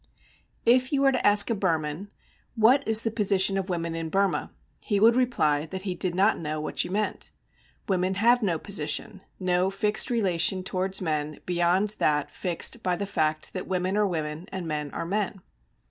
_ If you were to ask a Burman 'What is the position of women in Burma?' he would reply that he did not know what you meant. Women have no position, no fixed relation towards men beyond that fixed by the fact that women are women and men are men.